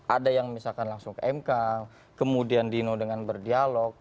ada yang misalkan langsung ke mk kemudian dino dengan berdialog